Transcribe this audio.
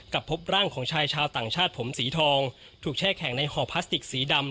พบร่างของชายชาวต่างชาติผมสีทองถูกแช่แข็งในห่อพลาสติกสีดำ